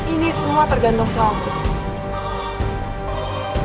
ini semua tergantung sama